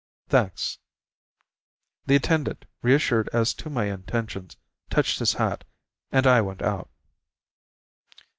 "Thanks." The attendant, reassured as to my intentions, touched his hat, and I went out.